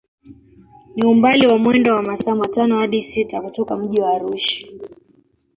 Ni umbali wa mwendo wa masaa matano hadi sita kutoka mji wa Arusha